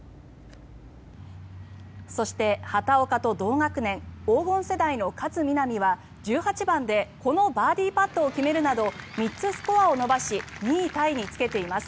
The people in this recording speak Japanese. そして、畑岡と同学年黄金世代の勝みなみは１８番でこのバーディーパットを決めるなど３つスコアを伸ばし２位タイにつけています。